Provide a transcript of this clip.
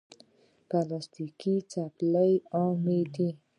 پلاستيکي چپلی عامې دي.